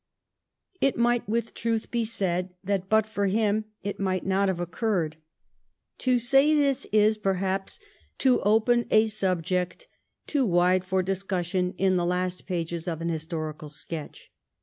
It niin^ht with truth be said that, but for him, it might not have occurred. To say this is, ])erhaps, to open a subject too wide for discussion in the last pages of an liistorical sketch.